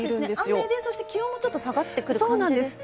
雨で気温も下がってくる感じですか。